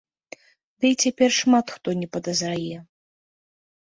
Дый цяпер шмат хто не падазрае.